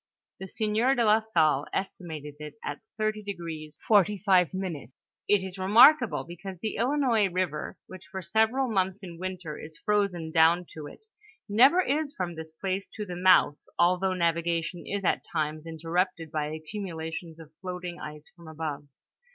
The sieur de la Salle estimated it at 38° 45^ It is remarkable, because the Ilinois river, which for several months in winter is frozen down to it, never is from this place to the mouth, although navigation is at times interrupted by accumulations of floating ice from above.